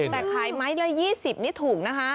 แต่ขายไม้ละ๒๐นี่ถูกนะคะ